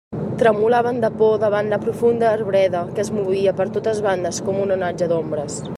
Tremolaven de por davant la profunda arbreda que es movia per totes bandes com un onatge d'ombres.